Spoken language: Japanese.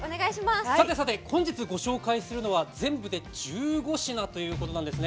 さて、本日ご紹介するのは全部で１５品ということなんです。